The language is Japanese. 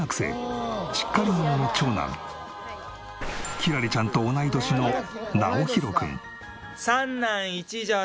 輝星ちゃんと同い年のなおひろくん。